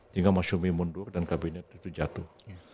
hingga masyumi mundur dan kabinet itu jatuh